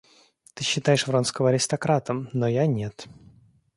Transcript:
Ты считаешь Вронского аристократом, но я нет.